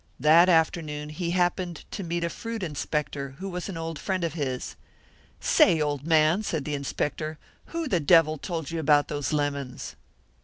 That afternoon he happened to meet a fruit inspector, who was an old friend of his. 'Say, old man,' said the inspector, 'who the devil told you about those lemons?'"